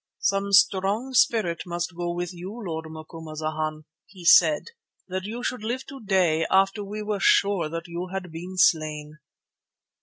"Some strong spirit must go with you, Lord Macumazana," he said, "that you should live today, after we were sure that you had been slain."